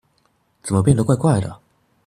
怎麼變得怪怪的